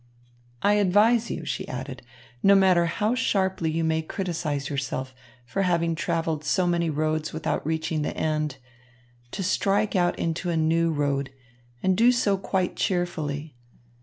"I advise you," she added, "no matter how sharply you may criticise yourself for having travelled so many roads without reaching the end, to strike out into a new road, and do so quite cheerfully.